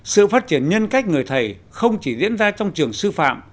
sự phát triển nhân cách người thầy không chỉ diễn ra trong trường sư phạm